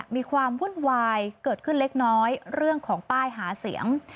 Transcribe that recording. มีความวุ่นวายเกิดขึ้นเล็กน้อยเรื่องของป้ายหาเสียง